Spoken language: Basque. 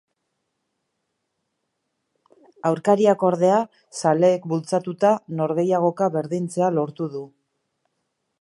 Aurkariak, ordea, zaleek bultzatuta, norgehiagoka berdintzea lortu du.